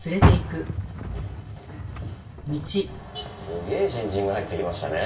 すげえ新人が入ってきましたね。